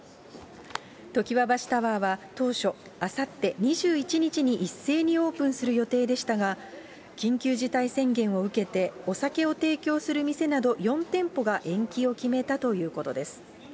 常盤橋タワーは当初、あさって２１日に一斉にオープンする予定でしたが、緊急事態宣言を受けて、お酒を提供する店など４店舗が延期を決めたということです。